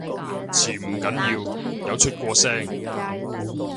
潛唔緊要，有出過聲